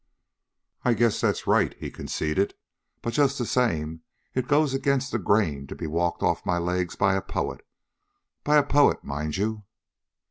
"I guess that's right," he conceded. "But just the same it goes against the grain to be walked off my legs by a poet by a poet, mind you."